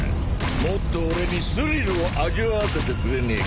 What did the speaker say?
もっと俺にスリルを味わわせてくれねえか？